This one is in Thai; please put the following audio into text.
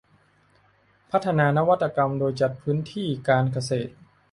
พัฒนานวัตกรรมโดยจัดพื้นที่การเกษตร